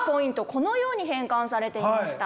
このように変換されていました。